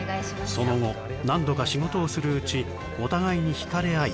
その後何度か仕事をするうちお互いにひかれあい